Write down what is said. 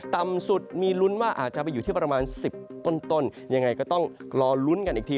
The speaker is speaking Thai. ต่ำสุดมีลุ้นว่าอาจจะไปอยู่ที่ประมาณ๑๐ต้นยังไงก็ต้องรอลุ้นกันอีกที